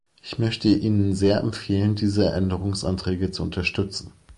Ich möchte Ihnen sehr empfehlen, diese Änderungsanträge zu unterstützen.